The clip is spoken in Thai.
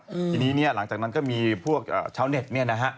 อืมทีนี้เนี่ยหลังจากนั้นก็มีพวกชาวเน็ตเนี่ยนะฮะ